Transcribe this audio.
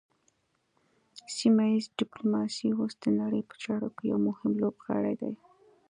سیمه ایز ډیپلوماسي اوس د نړۍ په چارو کې یو مهم لوبغاړی دی